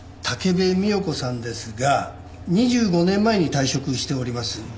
武部美代子さんですが２５年前に退職しております。